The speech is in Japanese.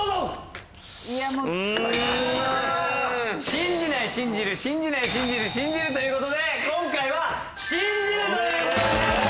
信じない信じる信じない信じる信じるということで今回は信じるということになりました。